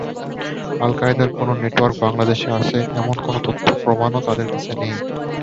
আল-কায়েদার কোনো নেটওয়ার্ক বাংলাদেশে আছে, এমন কোনো তথ্যপ্রমাণও তাঁদের কাছে নেই।